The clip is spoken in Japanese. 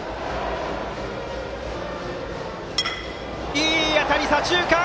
いい当たり、左中間！